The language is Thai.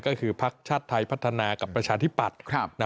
ก็คือภักดิ์ชาติไทยพัฒนากับประชาธิปัตย์